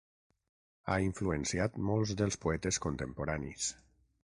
Ha influenciat molts dels poetes contemporanis.